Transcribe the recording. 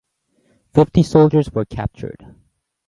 Fifty soldiers were captured.